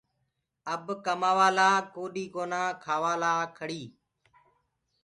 اب ڪمآوآ لآ ڪوڏيٚ ڪونآ کآوآ لآ کڙيٚ